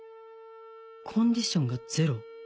「コンディションがゼロ」？